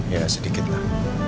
ya sedikit lah